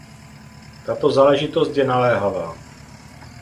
Tato záležitost je naléhavá.